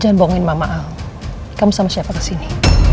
jangan bohongin mama al kamu sama siapa kesini